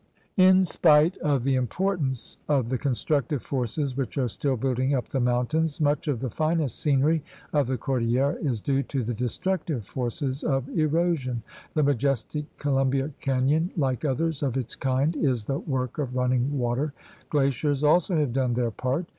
In spite of the importance of the constructive forces which are still building up the mountains, much of the finest scenery of the cordillera is due to the destructive forces of erosion. The majestic Columbia Canyon, like others of its kind, is the work of running water. Glaciers also have done their part.